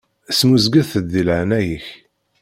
Smuzget-d di leɛnaya-k.